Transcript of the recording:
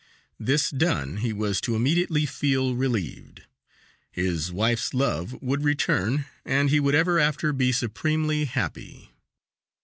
This done, he was to immediately feel relieved. His wife's love would return, and he would ever after be supremely happy.